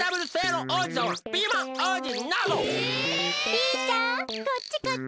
ピーちゃんこっちこっち！